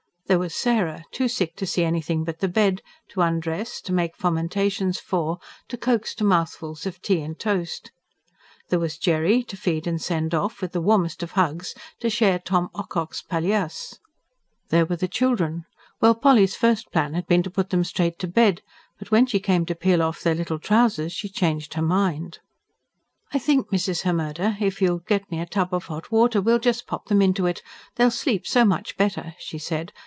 There was Sarah, too sick to see anything but the bed, to undress, to make fomentations for, to coax to mouthfuls of tea and toast. There was Jerry to feed and send off, with the warmest of hugs, to share Tom Ocock's palliasse. There were the children ... well, Polly's first plan had been to put them straight to bed. But when she came to peel off their little trousers she changed her mind. "I think, Mrs. Hemmerde, if you'll get me a tub of hot water, we'll just pop them into it; they'll sleep so much better," she said